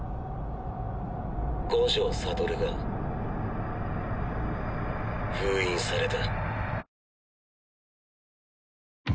五条悟が封印された。